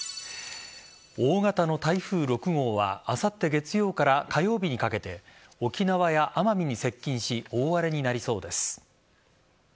大型の台風６号はあさって月曜から火曜日にかけて沖縄や奄美に接近し大荒れになりそうです。